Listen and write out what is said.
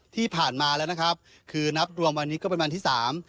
ที่ผ่านมาแล้วนะครับคือนับรวมวันนี้ก็เป็นวันที่สาม